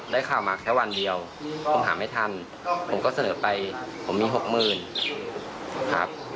ได้ข่าวมาแค่วันเดียวผมหาไม่ทันผมก็เสนอไปผมมีหกหมื่นครับ